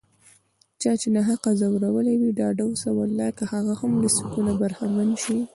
چا چې ناحقه وځورولي، ډاډه اوسه والله که هغه هم له سکونه برخمن شي